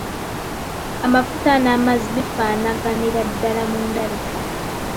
Amafuta n’amazzi bifaanaganira ddala mu ndabika.